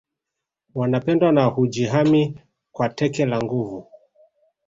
Wanapendwa na hujihami kwa teke la nguvu